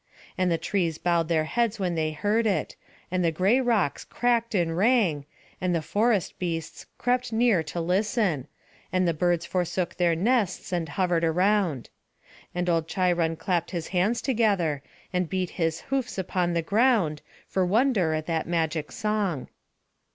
And the trees bowed their heads when they heard it, and the gray rocks cracked and rang, and the forest beasts crept near to listen, and the birds forsook their nests and hovered round. And old Cheiron clapt his hands together, and beat his hoofs upon the ground, for wonder at that magic song.